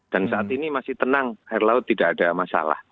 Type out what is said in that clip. dan saat ini masih tenang air laut tidak ada masalah